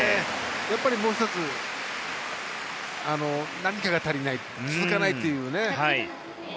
やっぱりもう１つ何かが足りない続かないというね。